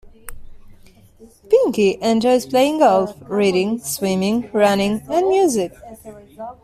Pinky enjoys playing golf, reading, swimming, running, and music.